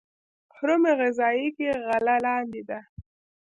هرم غذایی کې غله لاندې ده.